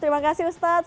terima kasih ustadz